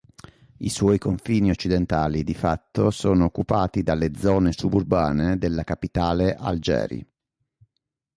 I suoi confini occidentali di fatto sono occupati dalle zone suburbane della capitale Algeri.